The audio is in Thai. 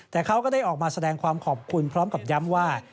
แต่เขาก็ได้ออกมาแสดงความขอบคุณพร้อมกับย้ำว่า